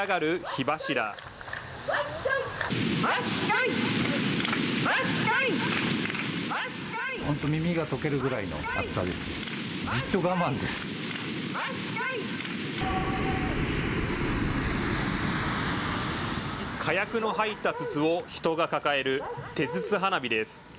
火薬の入った筒を人が抱える手筒花火です。